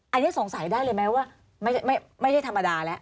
อันนี้สงสัยได้เลยไหมว่าไม่ได้ธรรมดาแล้ว